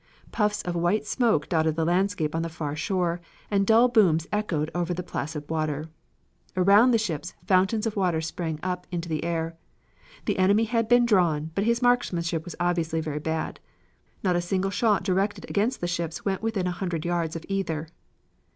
Puffs of white smoke dotted the landscape on the far shore, and dull booms echoed over the placid water. Around the ships fountains of water sprang up into the air. The enemy had been drawn, but his marksmanship was obviously very bad. Not a single shot directed against the ships went within a hundred yards of either.